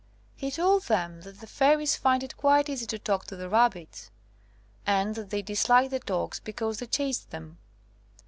He told them that the fairies find it quite easy to talk to the rabbits, and that they disliked the dogs because they chased them.